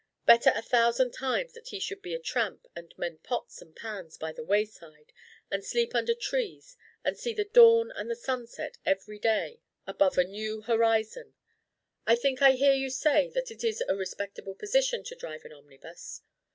Better a thousand times that he should be a tramp, and mend pots and pans by the wayside, and sleep under trees, and see the dawn and the sunset every day above a new horizon. I think I hear you say that it is a respectable position to drive an omnibus?